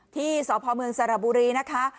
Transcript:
ที่สพเมืองสระบุรีนะคะ